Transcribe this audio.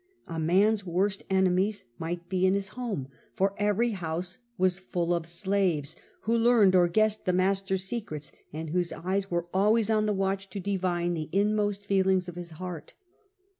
A man^s worst enemies might be in his home, for every house was full of slaves, who learned or guessed the master^s secrets, and whose eyes were always on the watch to divine the inmost feelings of his heart.